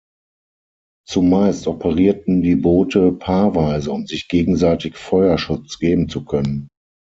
Zumeist operierten die Boote paarweise, um sich gegenseitig Feuerschutz geben zu können.